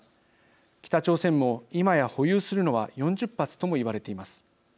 北朝鮮も、今や保有するのは４０発とも言われています。